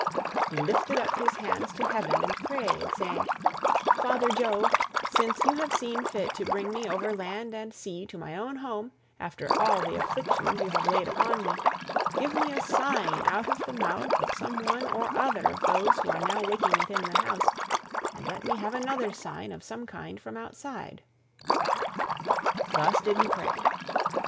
He lifted up his hands to heaven, and prayed, saying "Father Jove, since you have seen fit to bring me over land and sea to my own home after all the afflictions you have laid upon me, give me a sign out of the mouth of some one or other of those who are now waking within the house, and let me have another sign of some kind from outside." Thus did he pray.